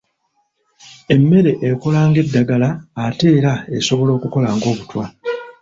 Emmere ekola ng'eddagala ate era esobola okukola ng'obutwa.